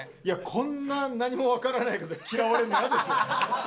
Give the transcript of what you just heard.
こんな何もわからない事で嫌われるのイヤですよ。